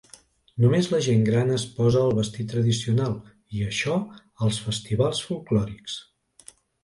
Només la gent gran es posa el vestit tradicional, i això als festivals folklòrics.